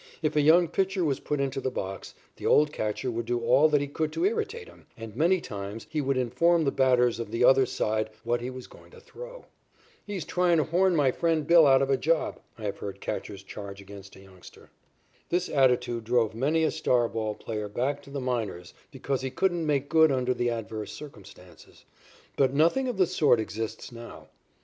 If a young pitcher was put into the box, the old catcher would do all that he could to irritate him, and many times he would inform the batters of the other side what he was going to throw. "He's tryin' to horn my friend Bill out of a job," I have heard catchers charge against a youngster. This attitude drove many a star ball player back to the minors because he couldn't make good under the adverse circumstances, but nothing of the sort exists now.